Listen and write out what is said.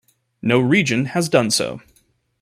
No region has done so.